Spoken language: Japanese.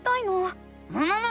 むむむ！